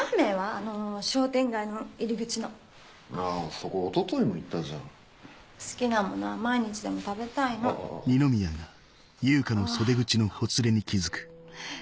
あの商店街の入あぁそこおとといも行ったじゃん好きなものは毎日でも食べたいのあっあぁ